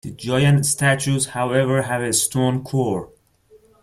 The giant statues however have a stone core.